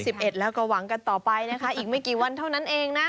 เอ็ดแล้วก็หวังกันต่อไปนะคะอีกไม่กี่วันเท่านั้นเองนะ